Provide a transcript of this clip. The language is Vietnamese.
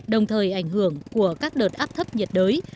đồng thời ảnh hưởng của các đợt áp thấp nhiệt đới